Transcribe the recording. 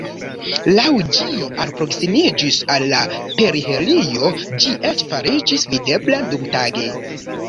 Laŭ ĝi alproksimiĝis al la perihelio ĝi eĉ fariĝis videbla dumtage.